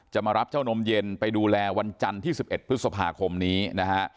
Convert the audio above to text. มารับเจ้านมเย็นไปดูแลวันจันทร์ที่๑๑พฤษภาคมนี้นะฮะ